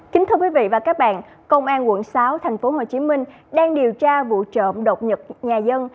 kính thưa quý vị và các bạn công an quận sáu thành phố hồ chí minh đang điều tra vụ trộm độc nhật nhà dân